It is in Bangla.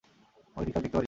আমাকে ঠিকঠাক দেখতে পারিস?